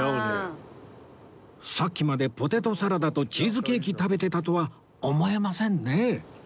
さっきまでポテトサラダとチーズケーキ食べてたとは思えませんねえ！